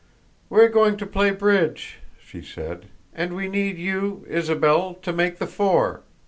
"We're going to play bridge," she said, "and we need you, Isabel, to make the four.